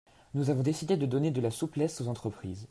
Nous avons décidé de donner de la souplesse aux entreprises.